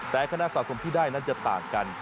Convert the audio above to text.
แต่คะแนนสะสมที่ได้นั้นจะต่างกัน